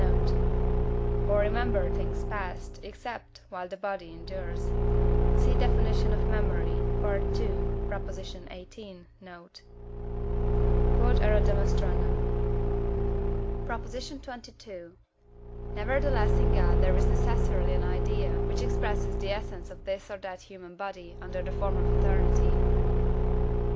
note), or remember things past, except while the body endures (see definition of Memory, II. xviii. note). Q.E.D. PROP. XXII. Nevertheless in God there is necessarily an idea, which expresses the essence of this or that human body under the form of eternity.